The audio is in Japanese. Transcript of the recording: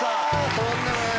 とんでもない。